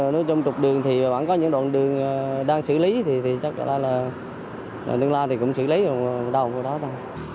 nói chung trục đường thì vẫn có những đoạn đường đang xử lý thì chắc là là tương lai thì cũng xử lý rồi đau của đó ta